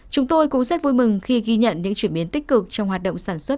chúng tôi cũng rất vui mừng khi ghi nhận những chuyển biến tích cực trong hoạt động sản xuất